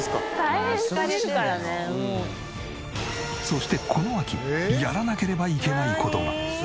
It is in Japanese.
そしてこの秋やらなければいけない事が。